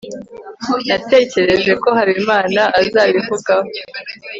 natekereje ko habimana azabivugaho